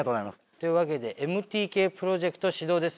というわけでＭＴＫプロジェクト始動です。